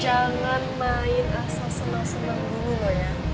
jangan main asal senang senang dulu loh ya